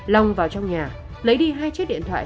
long vào trong nhà lấy đi hai chiếc điện thoại